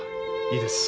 いいです。